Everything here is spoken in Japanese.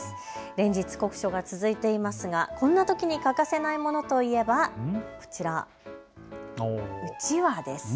連日、酷暑が続いていますがこんなときに欠かせないものといえばこちら、うちわです。